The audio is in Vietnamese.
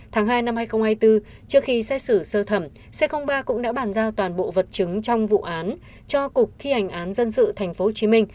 tháng hai năm hai nghìn hai mươi bốn trước khi xét xử sơ thẩm c ba cũng đã bàn giao toàn bộ vật chứng trong vụ án cho cục thi hành án dân sự tp hcm